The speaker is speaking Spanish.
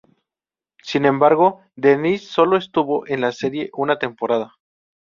Sin embargo, Denise sólo estuvo en la serie una temporada.